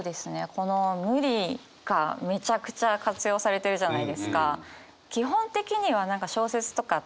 この「無理」がめちゃくちゃ活用されてるじゃないですか。